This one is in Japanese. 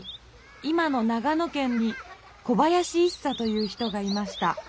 今の長野県に小林一茶という人がいました。